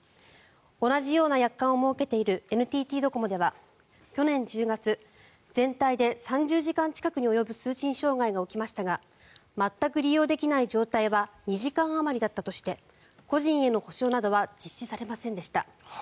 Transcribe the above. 同じような約款を設けているＮＴＴドコモでは去年１０月全体で３０時間近くに及ぶ通信障害が起きましたが全く利用できない状態は２時間あまりだったとして個人への補償などは実施されませんでした。